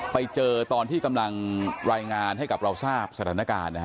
ไปเจอตอนที่กำลังรายงานให้กับเราทราบสถานการณ์นะฮะ